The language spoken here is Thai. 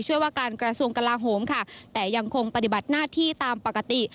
ว่าการกระทรวงกลาโหมค่ะแต่ยังคงปฏิบัติหน้าที่ตามปกติ